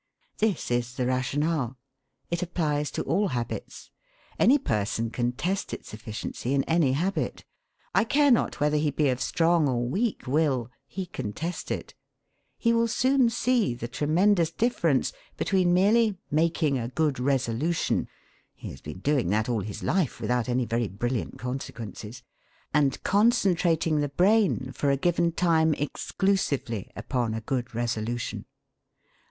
This is the rationale. It applies to all habits. Any person can test its efficiency in any habit. I care not whether he be of strong or weak will he can test it. He will soon see the tremendous difference between merely 'making a good resolution' (he has been doing that all his life without any very brilliant consequences) and concentrating the brain for a given time exclusively upon a good resolution.